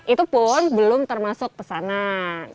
itu pun belum termasuk pesanan